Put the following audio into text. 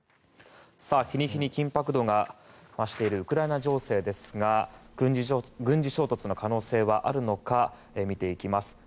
日に日に緊迫度が増しているウクライナ情勢ですが軍事衝突の可能性はあるのか見ていきます。